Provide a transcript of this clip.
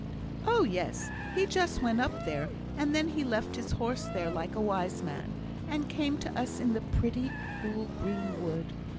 "Oh, yes! he just went up there; and then he left his horse there, like a wise man, and came to us in the pretty, cool, green wood.